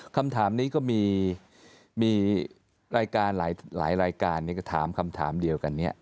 คำถามนี้ก็มีรายการหลายรายการก็ถามคำถามเดียวกันนี้